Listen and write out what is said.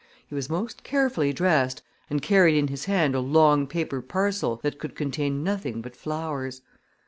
He was most carefully dressed and carried in his hand a long paper parcel that could contain nothing but flowers.